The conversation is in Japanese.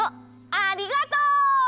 ありがとう！